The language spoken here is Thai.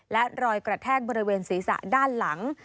และรอยกระแทกบริเวณศีรษะด้านหลัง